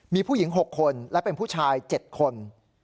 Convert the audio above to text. มีผู้หญิง๖คนและเป็นผู้ชาย๗คน